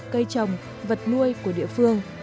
cây trồng vật nuôi của địa phương